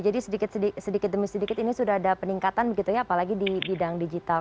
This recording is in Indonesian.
jadi sedikit demi sedikit ini sudah ada peningkatan apalagi di bidang digital